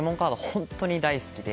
本当に大好きで。